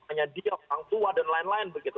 hanya dia orang tua dan lain lain begitu